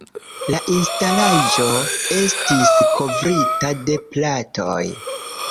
La instalaĵo estis kovrita de platoj.